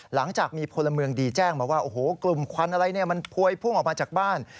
หลังจากมีพลเมืองดีแจ้งมาว่าโอ้โหกลุ่มควันอะไรเนี่ยมันพวยพุ่งออกมาจากบ้าน